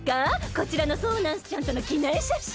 こちらのソーナンスちゃんとの記念写真。